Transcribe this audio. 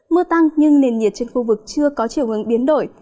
mưa tăng nhưng nền nhiệt trên khu vực chưa có chiều hướng biến đổi